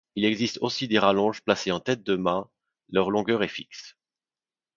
Il existe aussi des rallonges placées en tête de mat, leur longueur est fixe.